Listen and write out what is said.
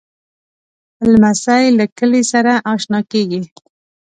لمسی له کلي سره اشنا کېږي.